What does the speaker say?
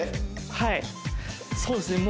はいそうですね